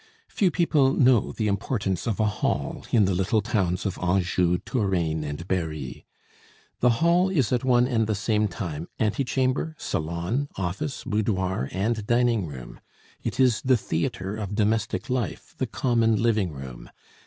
Few people know the importance of a hall in the little towns of Anjou, Touraine, and Berry. The hall is at one and the same time antechamber, salon, office, boudoir, and dining room; it is the theatre of domestic life, the common living room.